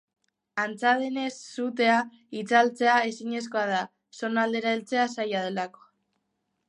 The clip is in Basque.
Antza denez, sutea itzaltzea ezinezkoa da, zonaldera heltzea zaila delako.